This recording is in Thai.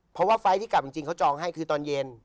เพราะว่าไฟล์ที่กลับจริงเขาจองให้คือตอนเย็น